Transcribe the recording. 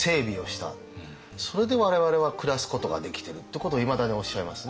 それで我々は暮らすことができてるってことをいまだにおっしゃいますね。